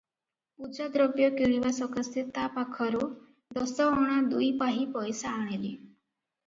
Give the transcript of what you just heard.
ପୂଜାଦ୍ରବ୍ୟ କିଣିବା ସକାଶେ ତା ପାଖରୁ ଦଶ ଅଣା ଦୁଇ ପାହି ପଇସା ଆଣିଲି ।